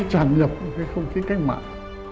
tràn nhập cái không khí cách mạng